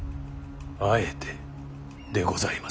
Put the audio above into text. あえてでございますな。